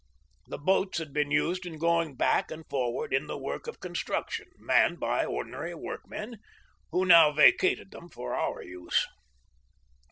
The boats had been used in going back and forward in the work of construction, manned by ordinary work men, who now vacated them for our use.